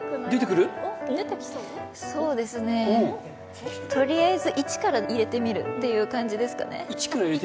そうですねえ、とりあえず１から入れてみるって感じですかね